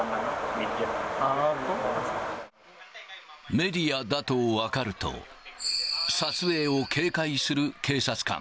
メディアだと分かると、撮影を警戒する警察官。